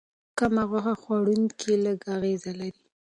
کم غوښه خوړونکي لږ اغېز لري.